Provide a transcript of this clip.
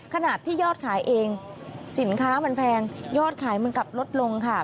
ขนาดที่ยอดขายเองสินค้ามันแพงยอดขายมันกลับลดลงค่ะ